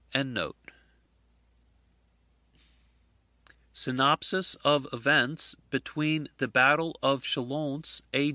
] SYNOPSIS OF EVENTS BETWEEN THE BATTLE OF CHALONS, A.